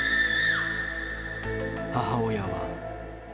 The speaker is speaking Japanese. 母親は。